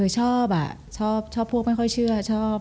ชอบชอบพวกไม่ค่อยเชื่อชอบ